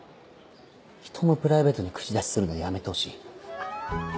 人のプライベートに口出しするのやめてほしい。